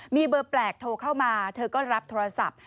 มีเบอร์แปลกโทรเข้ามาเธอก็รับโทรศัพท์